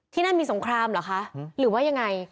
นั่นมีสงครามเหรอคะหรือว่ายังไง